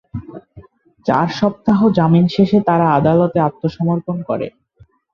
চার সপ্তাহ জামিন শেষে তারা আদালতে আত্মসমর্পণ করে।